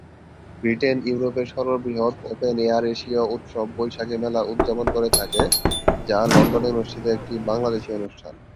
Britain ইউরোপের সর্ববৃহৎ open air এশীয় উৎসব বৈশাখী মেলা উৎযাপন করে থাকে, যা লন্ডনে অনুষ্ঠিত একটি বাংলাদেশি অনুষ্ঠান।